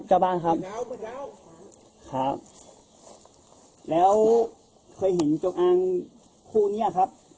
เจ้าบ้านครับแล้วเคยเห็นจงอางคู่เนี้ยครับ